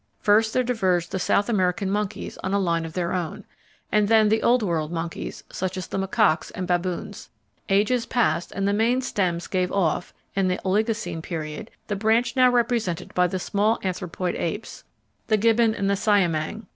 First there diverged the South American monkeys on a line of their own, and then the Old World monkeys, such as the macaques and baboons. Ages passed and the main stems gave off (in the Oligocene period) the branch now represented by the small anthropoid apes the gibbon and the siamang.